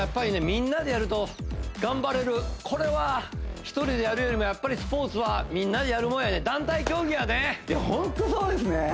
みんなでやると頑張れるこれは１人でやるよりもスポーツはみんなでやるもんやねん団体競技やねいやホントそうですね